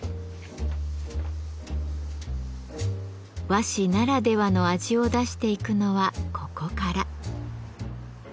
和紙ならではの味を出していくのはここから。